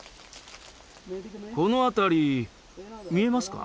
この辺り見えますか？